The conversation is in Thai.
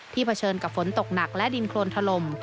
เผชิญกับฝนตกหนักและดินโครนถล่ม